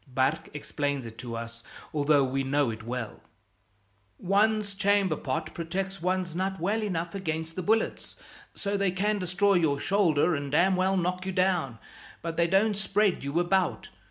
Barque explains it to us, although we know it well: "One's chamber pot protects one's nut well enough against the bullets. So they can destroy your shoulder and damn well knock you down, but they don't spread you about.